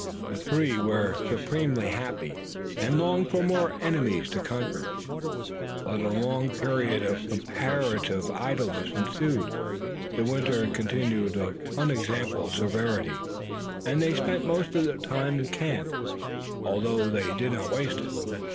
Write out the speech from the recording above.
The three were supremely happy and longed for more enemies to conquer, but a long period of comparative idleness ensued. The winter continued of unexampled severity, and they spent most of the time in camp, although they did not waste it.